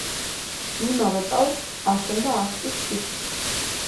იმავე წელს აშენდა ახტის ციხე.